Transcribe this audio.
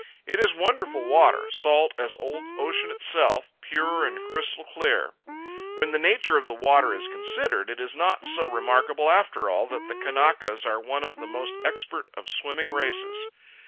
It is wonderful water, salt as old ocean itself, pure and crystal clear. When the nature of the water is considered, it is not so remarkable after all that the Kanakas are one of the most expert of swimming races.